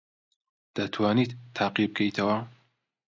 دەتوانیت تاقی بکەیتەوە؟